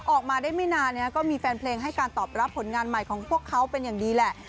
ออกมาได้ไม่นานก็มีแฟนเพลงให้การตอบรับผลงานใหม่ของพวกเขาเป็นอย่างดีแหละ